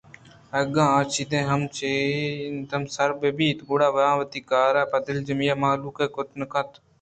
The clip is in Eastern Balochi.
اگاں آ چِداں چہ جہندم سر بہ بنت گڑا آوتی کارءَ پہ دلجمی ءُمہکمی ءَ کُت کنت اَنت